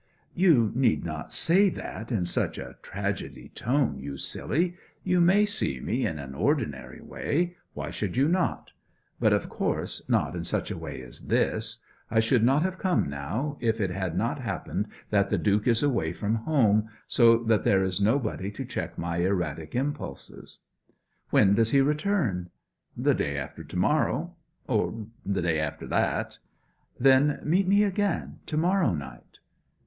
'You need not say that in such a tragedy tone, you silly. You may see me in an ordinary way why should you not? But, of course, not in such a way as this. I should not have come now, if it had not happened that the Duke is away from home, so that there is nobody to check my erratic impulses.' 'When does he return?' 'The day after to morrow, or the day after that.' 'Then meet me again to morrow night.'